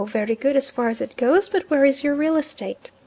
very good as far as it goes, but where is your real estate?